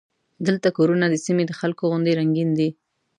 دلته کورونه د سیمې د خلکو غوندې رنګین دي.